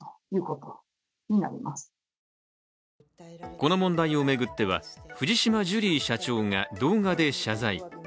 この問題を巡っては、藤島ジュリー社長が動画で謝罪。